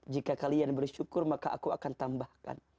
jika kalian bersyukur maka aku akan tambahkan